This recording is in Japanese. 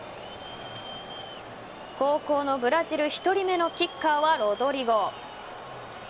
後攻のブラジル１人目のキッカーはロドリゴ。